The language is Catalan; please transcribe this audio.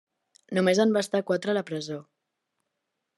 Només en va estar quatre a la presó.